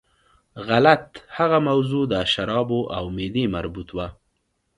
غلط، هغه موضوع د شرابو او معدې مربوط وه.